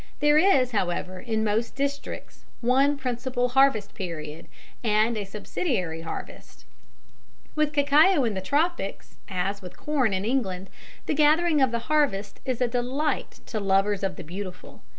There is, however, in most districts one principal harvest period, and a subsidiary harvest. [Illustration: GATHERING CACAO PODS, TRINIDAD.] With cacao in the tropics, as with corn in England, the gathering of the harvest is a delight to lovers of the beautiful.